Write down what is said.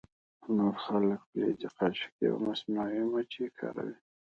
نور خلک فلزي قاشقې او مصنوعي مچۍ کاروي